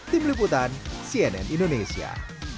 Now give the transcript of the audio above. tim liputan cnn indonesia